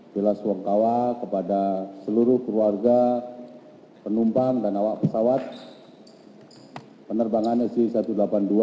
bila suok kawah kepada seluruh keluarga penumpang dan awak pesawat penerbangan sg satu ratus delapan puluh dua